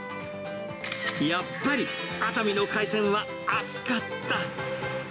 やっぱり熱海の海鮮は熱かった。